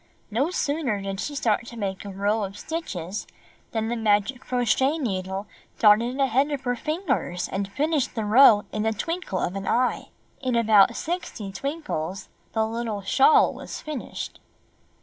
No sooner did she start to make a row of stitches than the magic crochet needle darted ahead of her fingers and finished the row in a twinkle of an eye. In about sixty twinkles the little shawl was finished.